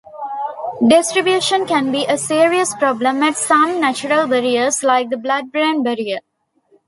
Distribution can be a serious problem at some natural barriers like the blood-brain barrier.